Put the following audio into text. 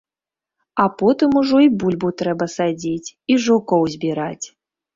А потым ужо і бульбу трэба садзіць, і жукоў збіраць.